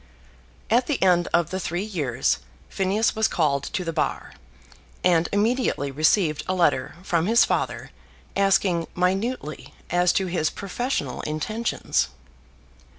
At the end of the three years Phineas was called to the Bar, and immediately received a letter from his father asking minutely as to his professional intentions.